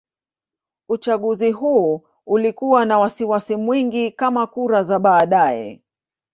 Uchaguzi huu ulikuwa na wasiwasi mwingi kama kura za baadaye.